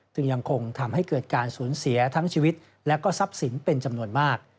ยังคงทำให้เกิดการสูญเสียทั้งชีวิตและก็ทรัพย์สินเป็นจำนวนมาก